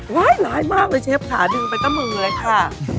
ไว้หลายมากเลยเชฟขาดึงไปกับมือเลยค่ะ